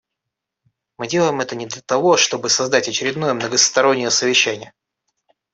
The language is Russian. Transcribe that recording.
Мы делаем это не для того, чтобы созвать очередное многостороннее совещание.